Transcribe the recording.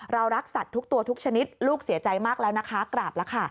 รักสัตว์ทุกตัวทุกชนิดลูกเสียใจมากแล้วนะคะกราบแล้วค่ะ